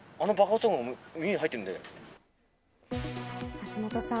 橋下さん